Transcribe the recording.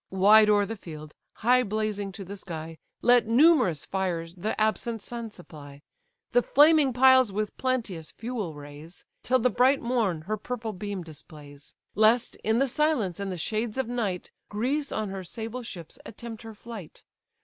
Wide o'er the field, high blazing to the sky, Let numerous fires the absent sun supply, The flaming piles with plenteous fuel raise, Till the bright morn her purple beam displays; Lest, in the silence and the shades of night, Greece on her sable ships attempt her flight.